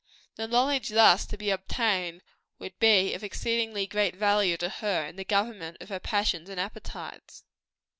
The knowledge thus to be obtained, would be of exceeding great value to her in the government of her passions and appetites.